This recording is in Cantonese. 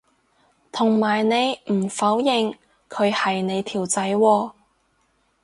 同埋你唔否認佢係你條仔喎